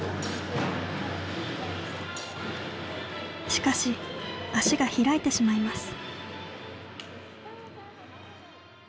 しかし足が開いてしまいます。